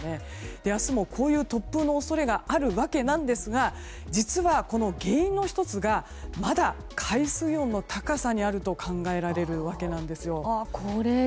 明日も、こういう突風の恐れがあるわけなんですが実は、原因の１つがまだ海水温の高さにあると考えられるわけです。